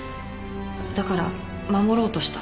だから守ろうとした。